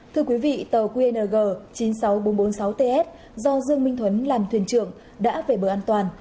thưa quý vị tàu qng chín mươi sáu nghìn bốn trăm bốn mươi sáu ts do dương minh thuấn làm thuyền trưởng đã về bờ an toàn